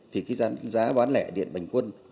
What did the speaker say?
thì cái giá bán lẻ điện bành quân